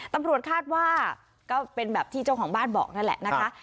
ตำรวจคาดว่าก็เป็นแบบที่เจ้าของบ้านบอกนั่นแหละนะคะ